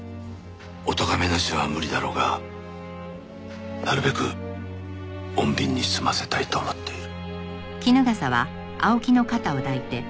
お咎めなしは無理だろうがなるべく穏便に済ませたいと思っている。